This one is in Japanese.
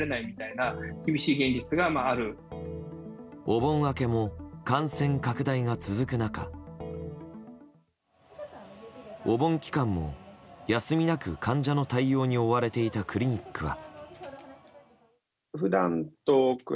お盆明けも感染拡大が続く中お盆期間も休みなく患者の対応に追われていたクリニックは。